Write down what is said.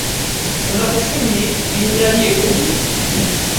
Funa bufunyi linnya lye olimpe.